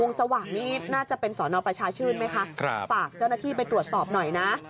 สว่างนี่น่าจะเป็นสอนอประชาชื่นไหมคะฝากเจ้าหน้าที่ไปตรวจสอบหน่อยนะ